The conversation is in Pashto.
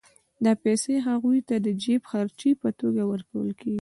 دا پیسې هغوی ته د جېب خرچۍ په توګه ورکول کېږي